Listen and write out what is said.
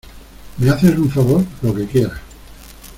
¿ me haces un favor? los que quieras.